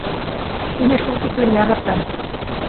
Һине шул тиклем яратам.